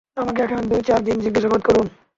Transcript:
আমাকে এখানে দুই-চার দিন জিজ্ঞাসাবাদ করুন।